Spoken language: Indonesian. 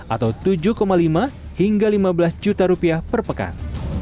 atau tujuh lima hingga lima belas juta rupiah per pekan